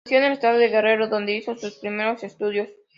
Nació en el Estado de Guerrero, donde hizo sus primeros estudios.